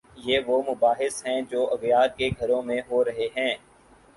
یہ وہ مباحث ہیں جو اغیار کے گھروں میں ہو رہے ہیں؟